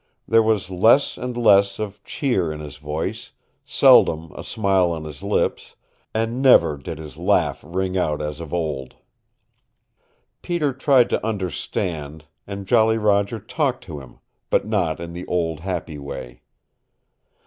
There was less and less of cheer in his voice, seldom a smile on his lips, and never did his laugh ring out as of old. Peter tried to understand, and Jolly Roger talked to him, but not in the old happy way.